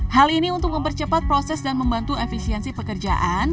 hal ini untuk mempercepat proses dan membantu efisiensi pekerjaan